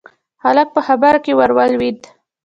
هلک په خبره کې ور ولوېد: